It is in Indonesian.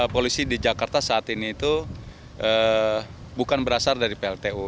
polisi di jakarta saat ini itu bukan berasal dari pltu